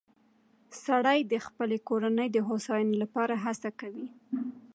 سړی د خپلې کورنۍ د هوساینې لپاره هڅه کوي